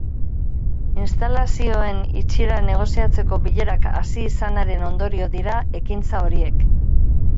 Instalazioen itxiera negoziatzeko bilerak hasi izanaren ondorio dira ekintza horiek.